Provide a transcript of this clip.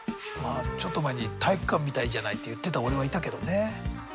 ちょっと前に「体育館みたいじゃない」って言ってたオレはいたけどね。